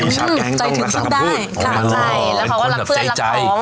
อ๋อศาสตรีชาแกงต้องรักษาคำพูดใจถึงพึ่งได้ใช่แล้วเขาก็รักเพื่อนรักของ